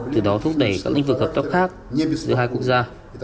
từ đó thúc đẩy các lĩnh vực hợp tác khác giữa hai quốc gia